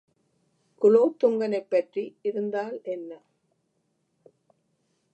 குலோத்துங்கனைப் பற்றி இருந்தால் என்ன?